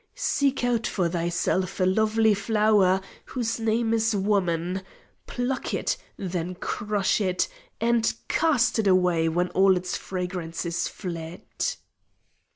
Seek out for thyself a lovely flower whose name is woman; pluck it then crush it, and cast it away when all its fragrance is fled!"